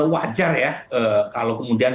wajar ya kalau kemudian